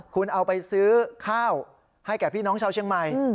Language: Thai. คุณเอาไปซื้อข้าวให้แก่พี่น้องชาวเชียงใหม่